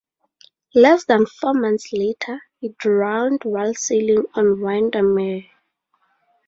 Less than four months later, he drowned while sailing on Windermere.